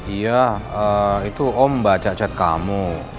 iya itu om baca cat kamu